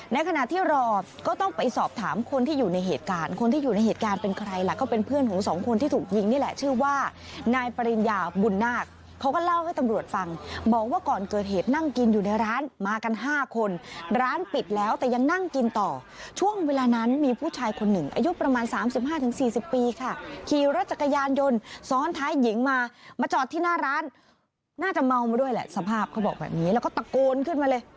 ในขณะที่รอก็ต้องไปสอบถามคนที่อยู่ในเหตุการณ์คนที่อยู่ในเหตุการณ์เป็นใครล่ะก็เป็นเพื่อนของสองคนที่ถูกยิงนี่แหละชื่อว่านายปริญญาบุญนาคเขาก็เล่าให้ตำรวจฟังบอกว่าก่อนเกิดเหตุนั่งกินอยู่ในร้านมากันห้าคนร้านปิดแล้วแต่ยังนั่งกินต่อช่วงเวลานั้นมีผู้ชายคนหนึ่งอายุประมาณสามสิบห้าถึงสี่สิบ